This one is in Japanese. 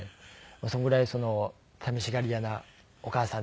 それぐらい寂しがり屋なお母さんではありますね。